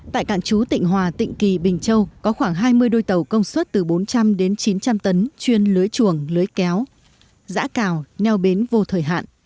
tại cảng chú tịnh hòa tịnh kỳ bình châu có khoảng hai mươi đôi tàu công suất từ bốn trăm linh đến chín trăm linh tấn chuyên lưới chuồng lưới kéo giã cào neo bến vô thời hạn